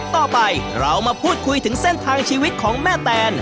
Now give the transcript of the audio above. ต่อไปเรามาพูดคุยถึงเส้นทางชีวิตของแม่แตน